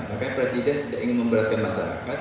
makanya presiden tidak ingin memberatkan masyarakat